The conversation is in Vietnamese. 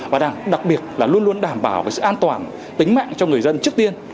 và đặc biệt là luôn luôn đảm bảo sự an toàn tính mạng cho người dân trước tiên